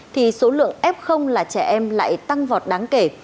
thì số lượng f là trẻ em lại tăng vọt đáng kể